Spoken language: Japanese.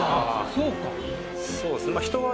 そうか。